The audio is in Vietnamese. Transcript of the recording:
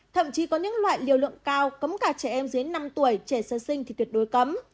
thậm chí có những loại liều lượng cao cấm cả trẻ em dưới năm tuổi trẻ sơ sinh thì tuyệt đối cấm